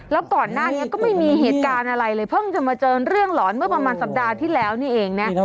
แล้วก่อนหน้านี้ก็ไม่มีเหตุการณ์อะไรเลยเพิ่งจะมาเจอเรื่องหลอนเมื่อประมาณสัปดาห์ที่แล้วนี่เองนะ